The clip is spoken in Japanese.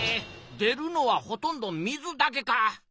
出るのはほとんど水だけか。